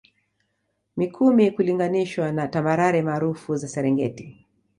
mikumi kulinganishwa na tambarare maarufu za serengeti